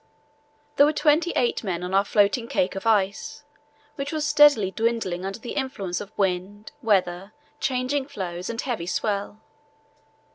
There were twenty eight men on our floating cake of ice, which was steadily dwindling under the influence of wind, weather, charging floes, and heavy swell.